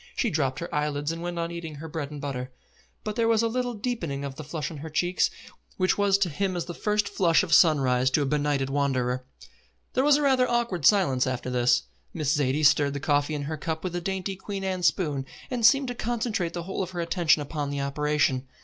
She dropped her eyelids and went on eating her bread and butter; but there was a little deepening of the flush on her cheeks which was to him as the first flush of sunrise to a benighted wanderer. There was a rather awkward silence after this. Miss Zaidie stirred the coffee in her cup with a dainty Queen Anne spoon, and seemed to concentrate the whole of her attention upon the operation.